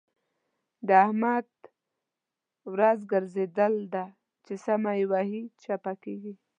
د احمد ورځ ګرځېدل ده؛ چې سمه يې وهي - چپه کېږي.